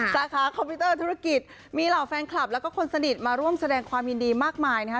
สาขาคอมพิวเตอร์ธุรกิจมีเหล่าแฟนคลับแล้วก็คนสนิทมาร่วมแสดงความยินดีมากมายนะคะ